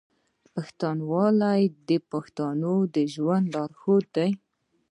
پښتونولي د پښتنو د ژوند لارښود دی.